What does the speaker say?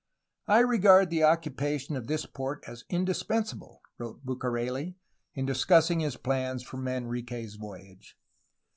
"I regard the occupation of this port as indispensable," wrote Bucareli, in discussing his plans for Manrique's voyage.